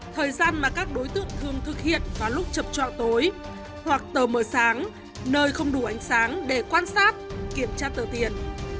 thời gian mà các đối tượng thường thực hiện vào lúc chập trọ tối hoặc tờ mờ sáng nơi không đủ ánh sáng để quan sát kiểm tra tờ tiền